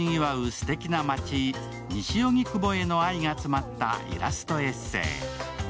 すてきな街、西荻窪への愛が詰まったイラストエッセー。